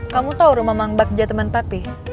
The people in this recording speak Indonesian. kamu tahu rumah mangbak jateman papi